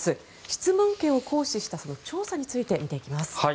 質問権を行使した調査について見ていきます。